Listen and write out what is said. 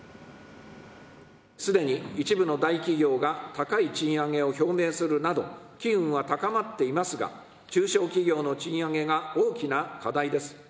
すでに、一部の大企業が高い賃上げを表明するなど、機運は高まっていますが、中小企業の賃上げが大きな課題です。